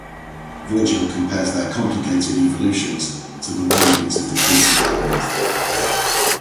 Virgil compares their complicated evolutions to the windings of the Cretan labyrinth.